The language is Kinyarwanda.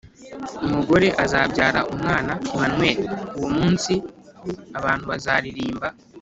umugore azabyara umwana, emanueli. uwo munsi abantubazaririmba